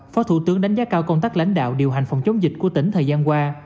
phó thủ tướng đánh giá cao công tác lãnh đạo điều hành phòng chống dịch của tỉnh thời gian qua